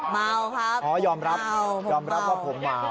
เมาครับผมเมาอ๋อยอมรับว่าผมเมา